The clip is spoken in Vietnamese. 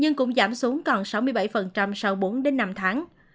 giảm xuống còn sáu mươi bảy sau bốn năm tháng